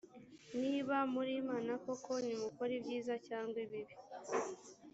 niba muri imana koko, nimukore ibyiza cyangwa ibibi